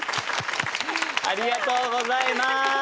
ありがとうございます。